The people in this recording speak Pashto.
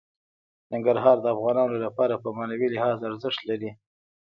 ننګرهار د افغانانو لپاره په معنوي لحاظ ارزښت لري.